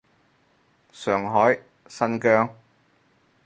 上海，新疆